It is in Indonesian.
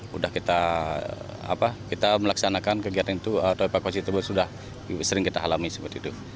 sudah kita melaksanakan kegiatan itu atau evakuasi tersebut sudah sering kita alami seperti itu